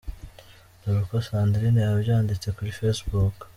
Dore uko Sandrine yabyanditse kuri facebook.